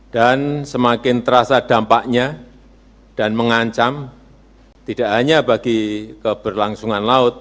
dan semakin terasa dampaknya dan mengancam tidak hanya bagi keberlangsungan laut